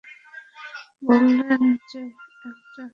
বলবেন না যে একটা হোটেলের।